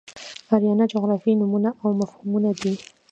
آریانا جغرافیایي نومونه او مفهومونه دي.